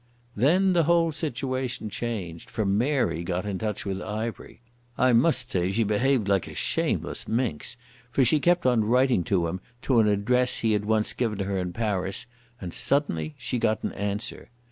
Then the whole situation changed, for Mary got in touch with Ivery. I must say she behaved like a shameless minx, for she kept on writing to him to an address he had once given her in Paris, and suddenly she got an answer.